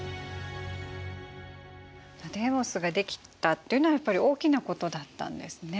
デーモスが出来たというのはやっぱり大きなことだったんですね。